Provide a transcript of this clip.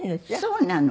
そうなの。